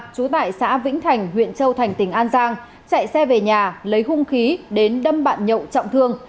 chú tại xã vĩnh thành huyện châu thành tỉnh an giang chạy xe về nhà lấy hung khí đến đâm bạn nhậu trọng thương